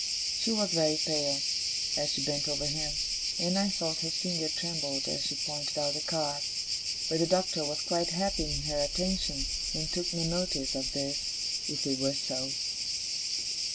She was very pale, as she bent over him, and I thought her finger trembled as she pointed out the cards; but the Doctor was quite happy in her attention, and took no notice of this, if it were so.